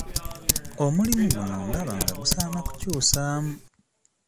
Omulimu guno ndaba nga gusaana kukyusaamu.